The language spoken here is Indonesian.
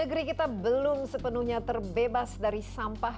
negeri kita belum sepenuhnya terbebas dari sampah